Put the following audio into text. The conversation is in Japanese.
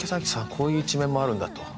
こういう一面もあるんだ」と。